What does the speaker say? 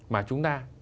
mà chúng ta